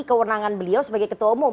kewenangan beliau sebagai ketua umum